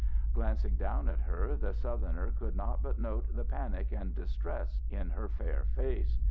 Glancing down at her the Southerner could not but note the panic and distress in her fair face.